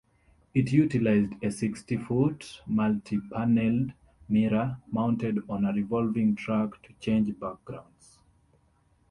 It utilized a sixty-foot multi-paneled mirror mounted on a revolving track to change backgrounds.